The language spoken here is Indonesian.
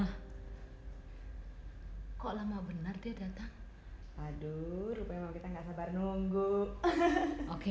hai kok lama benar dia datang aduh rupanya kita nggak sabar nunggu oke